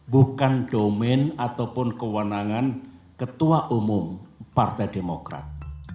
bukan intoleransi atau kewenangan ketua umum partai demokrat